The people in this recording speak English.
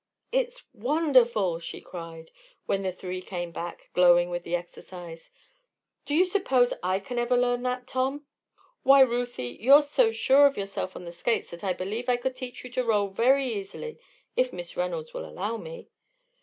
"It's wonderful!" she cried, when the three came back, glowing with the exercise. "Do you suppose I can ever learn that, Tom?" "Why, Ruthie, you're so sure of yourself on the skates that I believe I could teach you to roll very easily. If Miss Reynolds will allow me?"